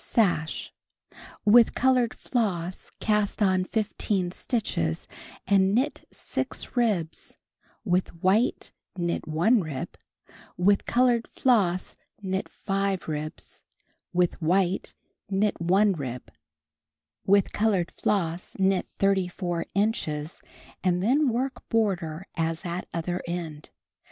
Sash. With colored floss cast on 15 stitches and knit 6 ribs, with white knit 1 rib, with colored floss knit 5 ribs, with white knit 1 rib, with colored floss knit 34 inches anci then work border as at other end.